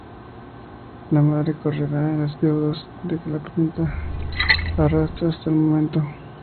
La madre correrá con las deudas que la imprenta arrastra hasta el momento.